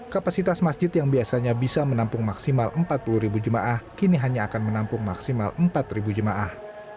kapasitas masjid yang biasanya bisa menampung maksimal empat puluh jemaah kini hanya akan menampung maksimal empat jemaah